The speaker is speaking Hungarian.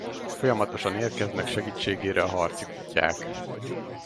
Folyamatosan érkeznek segítségére a harci kutyák.